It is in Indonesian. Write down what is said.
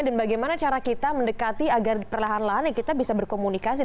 dan bagaimana cara kita mendekati agar perlahan lahannya kita bisa berkomunikasi